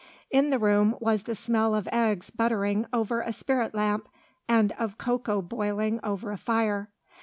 In the room was the smell of eggs buttering over a spirit lamp, and of cocoa boiling over a fire.